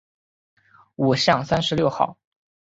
五巷三十六号